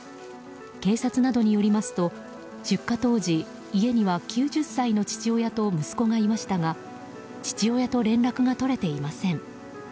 警察などによりますと出火当時、家には９０歳の父親と息子がいましたが父親と連絡が取れていません。